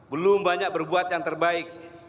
belum banyak berbuat yang terbaik